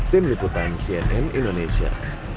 tim liputan cnn indonesia